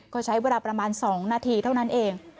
ก็ใช้เวลาประมาณ๒นาทีเท่านั้นเอง